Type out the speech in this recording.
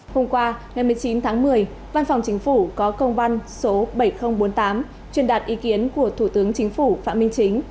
hôm qua ngày một mươi chín tháng một mươi văn phòng chính phủ có công văn số bảy nghìn bốn mươi tám truyền đạt ý kiến của thủ tướng chính phủ phạm minh chính